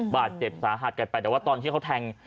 บาดเจ็บสาหัสกันไปแต่ว่าตอนที่เขาแทง